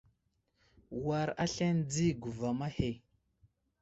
War aslane di guvam ahe.